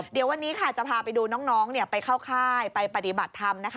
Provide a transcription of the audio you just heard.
เดี๋ยววันนี้ค่ะจะพาไปดูน้องไปเข้าค่ายไปปฏิบัติธรรมนะคะ